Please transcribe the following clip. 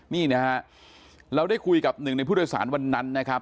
นี่นะฮะเราได้คุยกับหนึ่งในผู้โดยสารวันนั้นนะครับ